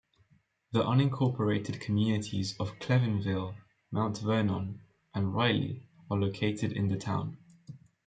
The unincorporated communities of Klevenville, Mount Vernon, and Riley are located in the town.